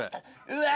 うわ。